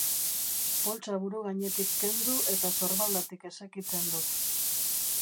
Poltsa buru gainetik kendu eta sorbaldatik esekitzen dut.